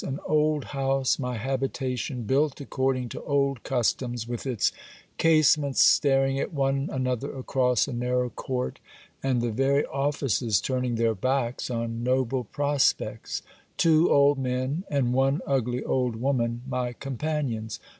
An old house my habitation, built according to old customs, with its casements staring at one another across a narrow court, and the very offices turning their backs on noble prospects; two old men and one ugly old woman my companions.